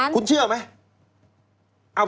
คุณเชื่อไหม